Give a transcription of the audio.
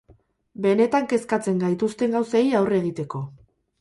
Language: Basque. Benetan kezkatzen gaituzten gauzei aurre egiteko.